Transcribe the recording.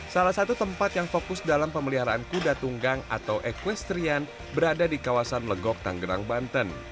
salah satu tempat yang fokus dalam pemeliharaan kuda tunggang atau equestrian berada di kawasan legok tanggerang banten